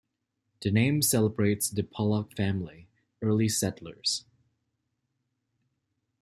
The name celebrates the Pollock family, early settlers.